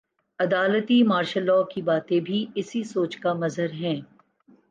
عدالتی martial law کی باتیں بھی اسی سوچ کا مظہر ہیں۔